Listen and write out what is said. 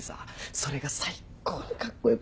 それが最高にカッコ良くて。